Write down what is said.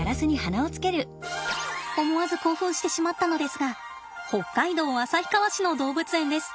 思わず興奮してしまったのですが北海道旭川市の動物園です。